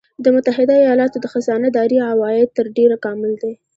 د متحده ایالاتو د خزانه داری عواید تر ډېره کامل دي